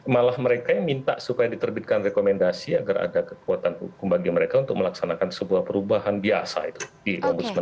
malah mereka yang minta supaya diterbitkan rekomendasi agar ada kekuatan hukum bagi mereka untuk melaksanakan sebuah perubahan biasa itu di ombudsman